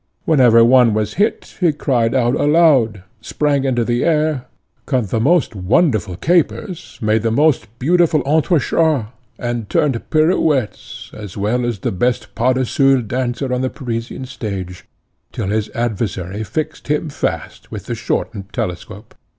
Whenever one was hit he cried out aloud, sprang into the air, cut the most wonderful capers, made the most beautiful entrechats, and turned pirouettes, as well as the best pas de seul dancer on the Parisian stage, till his adversary fixed him fast with the shortened telescope.